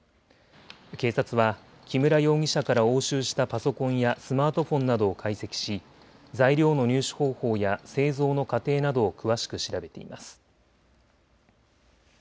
警察は木村容疑者から押収したパソコンやスマートフォンなどを解析し材料の入手方法や製造の過程などを詳しく調べています。